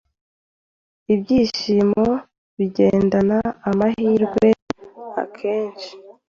Ibyishimo-bigendana -amahirwe .akenshi..